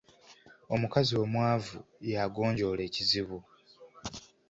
Omukazi omwavu yagonjoola ekizibu.